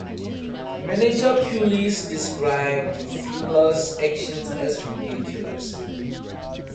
Manager Pulis described Fuller's actions as 'ridiculous'.